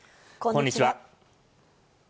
こんにちは。